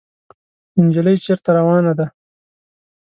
انجلۍ چېرته روانه ده ؟